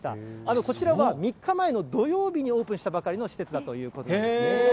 こちらは３日前の土曜日にオープンしたばかりの施設だということですね。